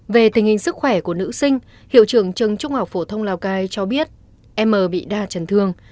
về tình hình sức khỏe của nữ sinh hiệu trưởng trường trung học phổ thông lào cai cho biết em mở bị đa chân thương